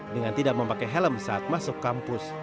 dengan tidak memakai helm saat masuk kampus